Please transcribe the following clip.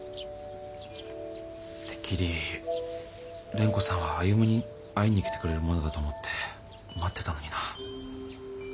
てっきり蓮子さんは歩に会いに来てくれるものだと思って待ってたのにな。